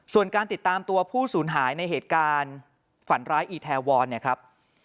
ส่วนการติดตามตัวผู้สูญหายในเหตุการณ์ฝันร้ายอีแทวรเนี่ยครับ